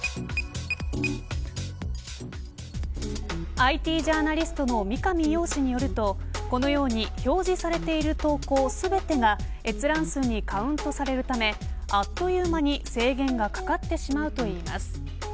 ＩＴジャーナリストの三上洋氏によるとこのように表示されている投稿全てが閲覧数にカウントされるためあっという間に制限がかかってしまうといいます。